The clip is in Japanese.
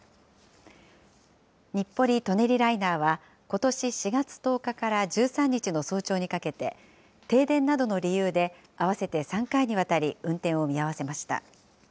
日暮里・舎人ライナーは、ことし４月１０日から１３日の早朝にかけて、停電などの理由で合わせて３回にわたり運転を見合わせました。